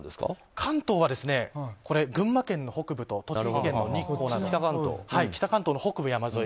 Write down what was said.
関東は群馬県の北部と栃木県の日光など北関東の北部山沿い。